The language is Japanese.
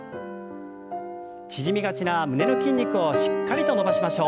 縮みがちな胸の筋肉をしっかりと伸ばしましょう。